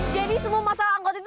jadi semua masalah angkot itu